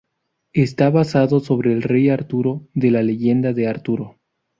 Está basado sobre el Rey Arturo de la leyenda de Arturo.